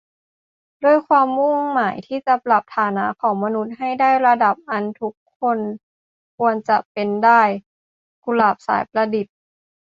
ด้วยความมุ่งหมายที่จะปรับฐานะของมนุษย์ให้ได้ระดับอันทุกคนควรจะเปนได้ - กุหลาบ สายประดิษฐ์